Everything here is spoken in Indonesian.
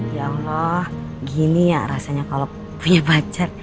ya allah gini ya rasanya kalau punya pacar